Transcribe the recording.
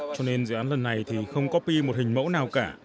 cho nên dự án lần này thì không copy một hình mẫu nào cả